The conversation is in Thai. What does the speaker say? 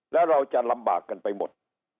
แล้วเราจะลำบากกันไปหมด